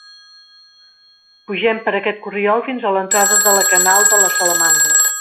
Pugem per aquest corriol fins a l'entrada de la Canal de la Salamandra.